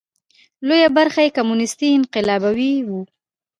لویه برخه یې کمونېستي انقلابیون وو.